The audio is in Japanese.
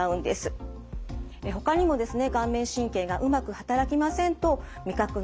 ほかにもですね